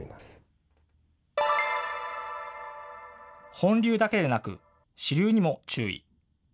本流だけでなく支流にも注意。